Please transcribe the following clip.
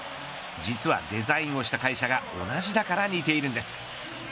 実は、デザインをした会社が同じだから似ているんです。